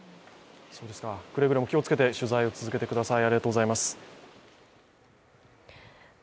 くれぐれも気をつけて取材を続けてください。